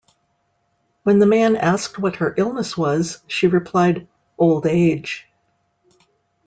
When the man asked what her illness was she replied, "Old age".